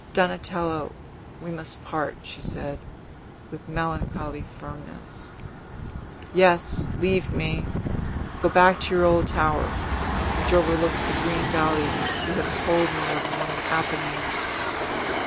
"Donatello, we must part," she said, with melancholy firmness. "Yes; leave me! Go back to your old tower, which overlooks the green valley you have told me of among the Apennines.